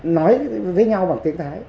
nói với nhau bằng tiếng thái